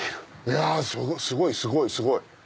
いやすごいすごいすごい。